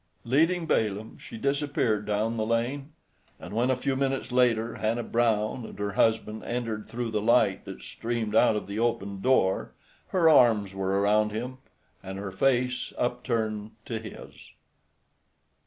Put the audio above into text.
Leading Balaam, she disappeared down the lane; and when, a few minutes later, Hannah Brown and her husband entered through the light that streamed out of the open door her arms were around him, and her face upturned to his.